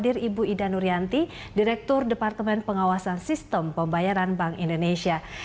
hadir ibu ida nurianti direktur departemen pengawasan sistem pembayaran bank indonesia